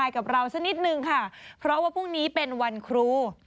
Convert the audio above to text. กับเราสักนิดนึงค่ะเพราะว่าพรุ่งนี้เป็นวันครู